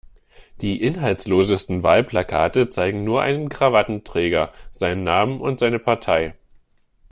Die inhaltslosesten Wahlplakate zeigen nur einen Krawattenträger, seinen Namen und seine Partei.